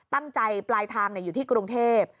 ตั้งใจปลายทางอยู่ที่กรุงเทพฯ